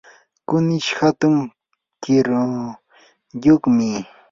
kunish hatun kiruyuqmi.